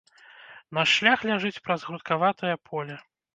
Наш шлях ляжыць праз грудкаватае поле.